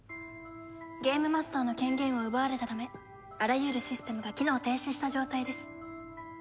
ゲームマスターの権限を奪われたためあらゆるシステムが機能停止した状態です。